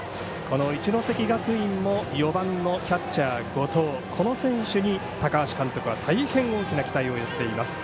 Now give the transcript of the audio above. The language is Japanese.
一関学院も４番のキャッチャー、後藤この選手に高橋監督は大変大きな期待を寄せています。